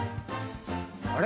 あれ？